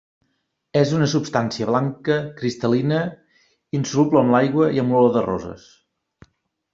És una substància blanca cristal·lina, insoluble en aigua i amb olor de roses.